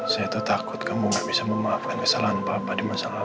saya tahu takut kamu gak bisa memaafkan kesalahan papa di masa lalu